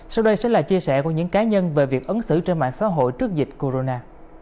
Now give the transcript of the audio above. sau đây sẽ là chia sẻ của những cá nhân về việc ứng xử trên mạng xã hội trước dịch corona